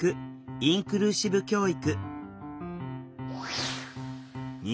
インクルーシブ教育。